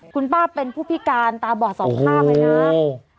คุณป้าเป็นผู้พิการตาบอดสองคราบนะครับ